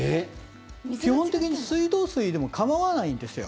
基本的に水道水でも構わないんですよ。